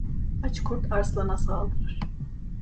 Aç kurt arslana saldırır.